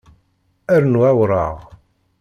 Rnu awṛaɣ